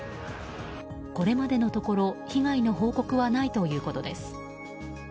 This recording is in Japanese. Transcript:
これまでのところ被害の報告はないということです。